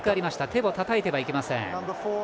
手をたたいてはいけません。